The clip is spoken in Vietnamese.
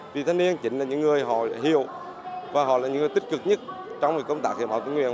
vì thanh niên chính là những người họ hiểu và họ là những người tích cực nhất trong công tác hiến máu tình nguyện